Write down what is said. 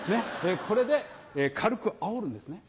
これで軽くあおるんですね。